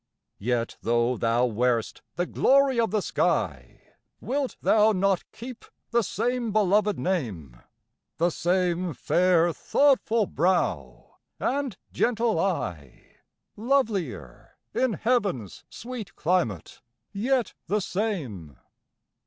Yet though thou wear'st the glory of the sky, Wilt thou not keep the same beloved name, The same fair thoughtful brow, and gentle eye, Lovelier in heaven's sweet climate, yet the same?